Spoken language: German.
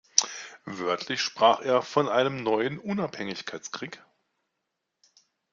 Wörtlich sprach er von einem „neuen Unabhängigkeitskrieg“.